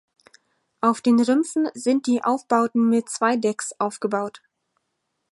Auf den Rümpfen sind die Aufbauten mit zwei Decks aufgebaut.